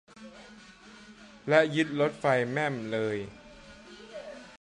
และยึดรถไฟแม่มเลย